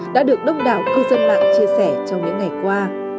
đã được đông đảo cư dân mạng chia sẻ trong những ngày qua